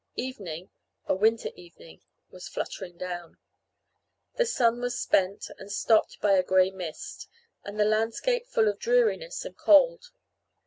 Evening, a winter evening, was fluttering down. The sun was spent and stopped by a grey mist, and the landscape full of dreariness and cold.